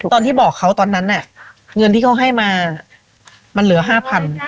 ตอนที่บอกเขาตอนนั้นน่ะเงินที่เขาให้มามันเหลือ๕๐๐บาท